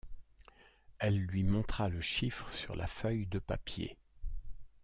Elle lui montra le chiffre sur la feuille de papier.